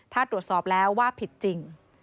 ถ้าตรวจสอบแล้วว่าผิดจริง